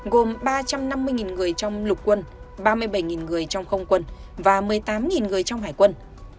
gồm ba trăm năm mươi người trong lục quân ba mươi bảy người trong không quân và một mươi tám người trong hải quân